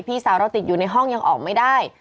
พี่สาวเราติดอยู่ในห้องยังออกไม่ได้